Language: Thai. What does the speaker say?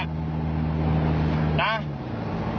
แฮีบ